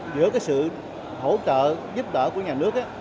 giữa sự hỗ trợ giúp đỡ của nhà nước